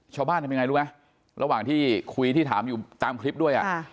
ทำยังไงรู้ไหมระหว่างที่คุยที่ถามอยู่ตามคลิปด้วย